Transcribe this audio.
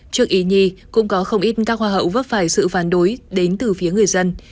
trước ý nhi cũng có không ít các hoa hậu vấp phải sự phản đối đến từ phía người dân